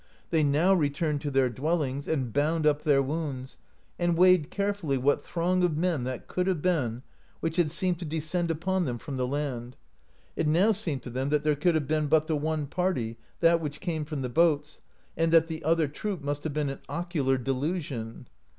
They now returned to their 57 AMERICA DISCOVERED BY NORSEMEN dwellings, and bound up their wounds, and weighed care fully what throng of men that could have been, which had seemed to descend upon them from the land ; it now seemed to them that there could have been but the one party, that which came from the boats, and that the other troop must have been an ocular delusion.